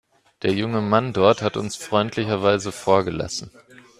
Der junge Mann dort hat uns freundlicherweise vorgelassen.